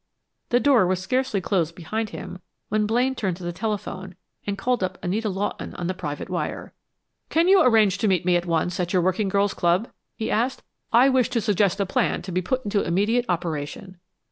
The door was scarcely closed behind him, when Blaine turned to the telephone and called up Anita Lawton on the private wire. "Can you arrange to meet me at once, at your Working Girls' Club?" he asked. "I wish to suggest a plan to be put into immediate operation."